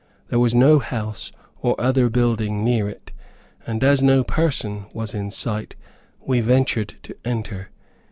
There was no house, or other building near it, and as no person was in sight, we ventured to enter.